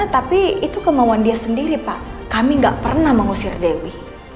tapi itu kemauan dia sendiri pak kami gak pernah mengusir dewi